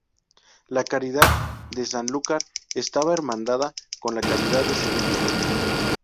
La Caridad de Sanlúcar estaba hermanada con la Caridad de Sevilla.